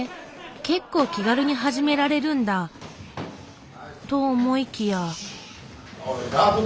結構気軽に始められるんだ。と思いきや。